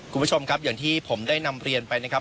คุณผู้ชมครับอย่างที่ผมได้นำเรียนไปนะครับ